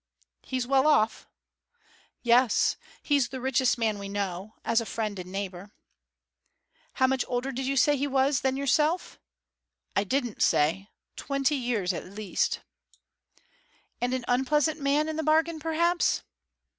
'He's well off?' 'Yes he's the richest man we know as a friend and neighbour.' 'How much older did you say he was than yourself?' 'I didn't say. Twenty years at least.' 'And an unpleasant man in the bargain perhaps?'